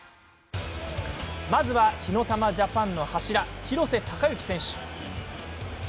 まずは火ノ玉ジャパンの柱廣瀬隆喜選手。